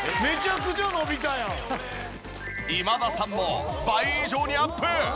今田さんも倍以上にアップ！